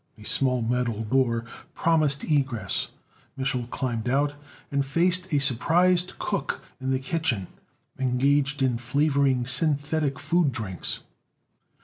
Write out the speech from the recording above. A small metal door promised egress. Mich'l climbed out, and faced a surprised cook in the kitchen, engaged in flavoring synthetic food drinks.